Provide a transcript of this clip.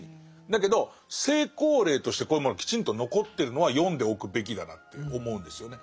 だけど成功例としてこういうものきちんと残ってるのは読んでおくべきだなって思うんですよね。